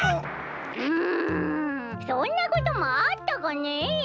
うんそんなこともあったかね。